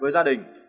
với gia đình